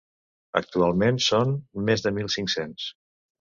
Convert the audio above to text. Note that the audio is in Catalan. Actualment són més de mil cinc-cents.